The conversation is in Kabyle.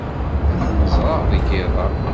Ad ten-ẓreɣ deg yiḍ-a.